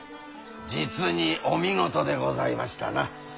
実にお見事でございましたな。